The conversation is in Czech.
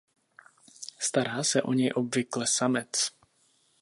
Stará se o něj obvykle samec.